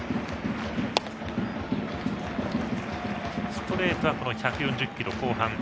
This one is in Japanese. ストレートは１４０キロ後半。